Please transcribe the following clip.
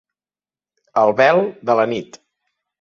El vel de la nit.